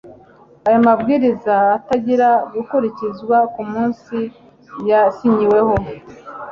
aya mabwiriza atangira gukurikizwa ku munsi yasinyiweho